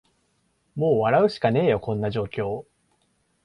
もう笑うしかねーよ、こんな状況